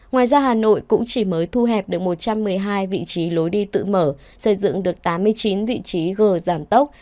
ngoài ra hà nội cũng chỉ mới thu hẹp được một trăm một mươi hai vị trí lối đi tự mở xây dựng được tám mươi chín vị trí g giảm tốc